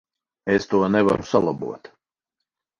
Es to nevaru salabot.